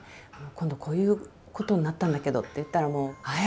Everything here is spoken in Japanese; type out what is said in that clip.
「今度こういうことになったんだけど」って言ったらもう「ええ！